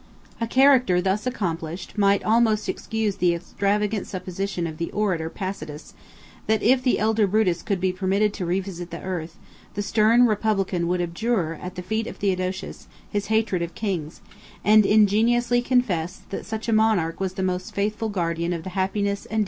80 A character thus accomplished might almost excuse the extravagant supposition of the orator Pacatus; that, if the elder Brutus could be permitted to revisit the earth, the stern republican would abjure, at the feet of Theodosius, his hatred of kings; and ingenuously confess, that such a monarch was the most faithful guardian of the happiness and dignity of the Roman people.